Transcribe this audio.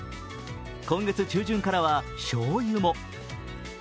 今月中旬からはしょうゆも。